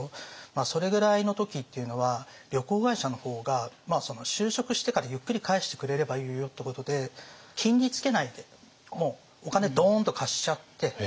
それぐらいの時っていうのは旅行会社の方が就職してからゆっくり返してくれればいいよってことで金利つけないでお金ドーンと貸しちゃって。